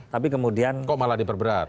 tapi kemudian kok malah diperberat